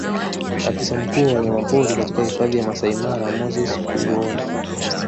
Afisa mkuu wa wanyamapori katika hifadhi ya Maasai Mara Moses Kuyuoni